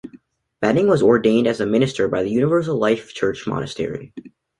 Bening was ordained as a minister by the Universal Life Church Monastery.